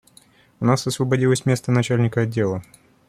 У нас освободилось место начальника отдела.